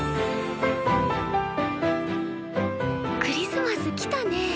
クリスマスきたね。